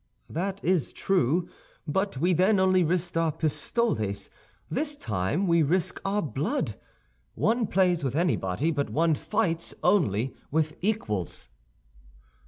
"That is true, but we then only risked our pistoles; this time we risk our blood. One plays with anybody; but one fights only with equals."